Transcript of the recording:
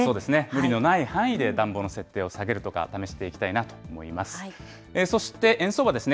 無理のない範囲で、暖房の設定を下げるとか、試していきたいなと思います。